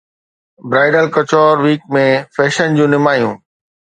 bridal couture week ۾ fashion جون نمايانون